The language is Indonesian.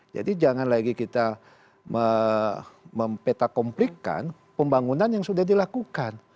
jadi jangan lagi kita mempetakomplikan pembangunan yang sudah dilakukan